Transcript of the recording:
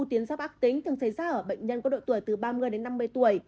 tiến giáp ác tính thường xảy ra ở bệnh nhân có độ tuổi từ ba mươi đến năm mươi tuổi